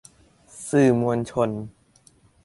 สื่อมวลชน